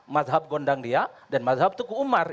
mazhab gondangdia dan mazhab tuku umar